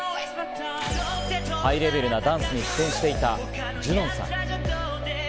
ハイレベルなダンスに苦戦していたジュノンさん。